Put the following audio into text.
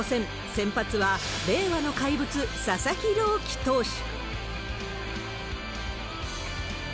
先発は令和の怪物、佐々木朗希投手。